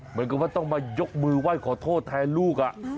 เหมือนกับว่าต้องมายกมือไหว้ขอโทษแทนลูก